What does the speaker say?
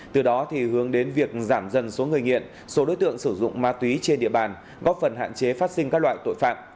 từ đó thì hướng đến việc giảm dần số người nghiện số đối tượng sử dụng ma túy trên địa bàn góp phần hạn chế phát sinh các loại tội phạm